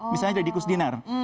misalnya jadi kus dinar